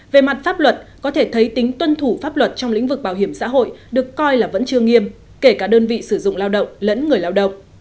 về mặt pháp luật có thể thấy tính tuân thủ pháp luật trong lĩnh vực bảo hiểm xã hội được coi là vẫn chưa nghiêm kể cả đơn vị sử dụng lao động lẫn người lao động